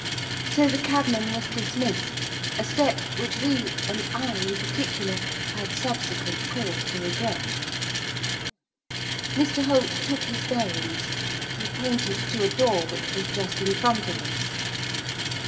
So the cabman was dismissed, a step which we and I, in particular had subsequent cause to regret. Mr Holt took his bearings. He pointed to a door which was just in front of us.